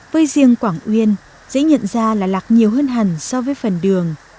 với riêng quảng uyên dễ nhận ra là lạc nhiều hơn hẳn so với phần đường